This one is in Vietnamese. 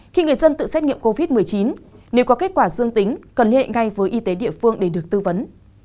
khi người dân tự xét nghiệm covid một mươi chín nếu có kết quả dương tính cần liên hệ ngay với y tế địa phương để được tư vấn